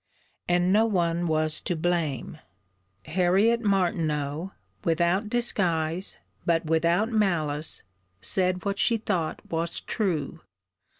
And no one was to blame: Harriet Martineau, without disguise, but without malice, said what she thought was true.